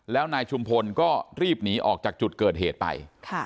แล้วนายชุมพลก็รีบหนีออกจากจุดเกิดเหตุไป